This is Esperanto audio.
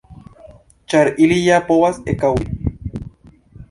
Ĉar ili ja povas ekaŭdi.